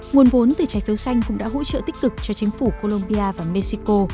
nguồn vốn từ trái phiếu xanh cũng đã hỗ trợ tích cực cho chính phủ colombia và mexico